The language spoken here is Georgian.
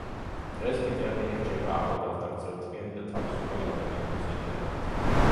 დღეს კი ტერმინი რჩება ახალგაზრდა, გრძელთმიანი და თავისუფალი ადამიანების ემბლემად.